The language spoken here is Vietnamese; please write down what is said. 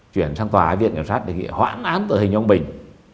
chuyển sang tòa án viện kiểm soát để hoãn án tử hình ông bình